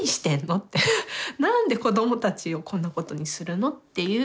って何で子供たちをこんなことにするの？っていう。